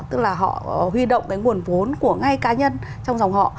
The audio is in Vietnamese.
tức là họ huy động cái nguồn vốn của ngay cá nhân trong dòng họ